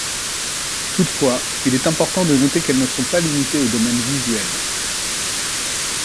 Toutefois, il est important de noter qu’elles ne sont pas limitées au domaine visuel.